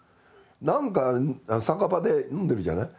なんか酒場で飲んでるじゃない。